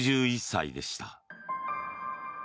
６１歳でした。